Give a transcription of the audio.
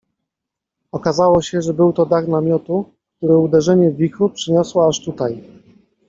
Okazało się, że był to dach namiotu, który uderzenie wichru przyniosło aż tutaj.